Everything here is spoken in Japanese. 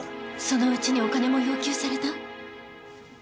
そのうちにお金も要求された？